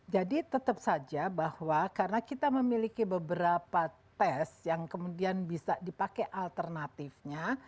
jadi tetap saja bahwa karena kita memiliki beberapa tes yang kemudian bisa dipakai alternatifnya